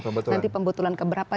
nanti pembetulan keberapa